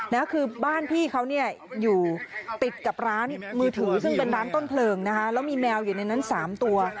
นะคือบ้านพี่เขาเนี่ยอยู่ติดกับร้านมือถือซึ่งเป็นร้านต้นเพลิงนะคะแล้วมีแมวอยู่ในนั้นสามตัว